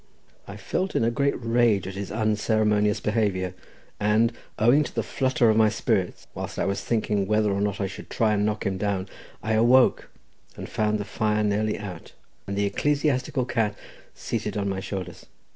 I felt in a great rage at his unceremonious behaviour, and owing to the flutter of my spirits whilst I was thinking whether or not I should try and knock him down, I awoke, and found the fire nearly out, and the ecclesiastical cat seated on my shoulders.